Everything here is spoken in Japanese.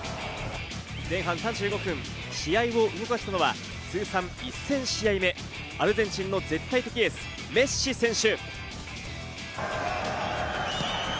前半３５分、試合を動かしたのは通算１０００試合目、アルゼンチンの絶対的エース、メッシ選手。